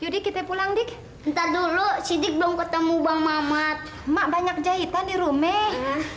judi kita pulang dik ntar dulu sidik belum ketemu bang mamat mak banyak jahitan di rume